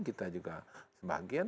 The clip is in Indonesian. kita juga sebagian